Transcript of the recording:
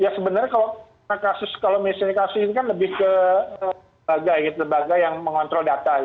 ya sebenarnya kalau misi ini lebih ke bagai bagai yang mengontrol data